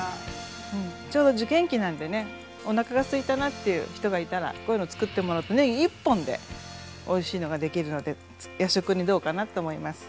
うんちょうど受験期なんでねおなかがすいたなっていう人がいたらこういうのつくってもらうとねぎ１本でおいしいのができるので夜食にどうかなと思います。